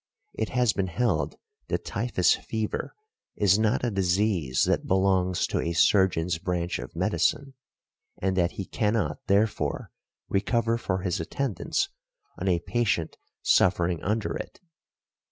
It has been held that typhus fever is not a disease that belongs to a surgeon's branch of medicine, and that he cannot therefore recover for his attendance on a patient suffering under it.